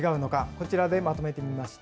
こちらでまとめてみました。